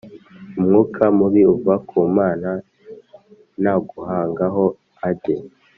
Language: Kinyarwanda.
umwuka mubi uva ku Mana naguhangaho ajye